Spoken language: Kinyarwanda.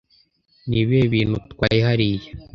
Ni ibihe bintu utwaye hariya?